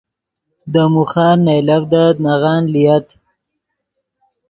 دے موخن نئیلڤدت نغن لییت